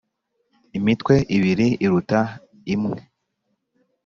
imitwe ibiri iruta imwe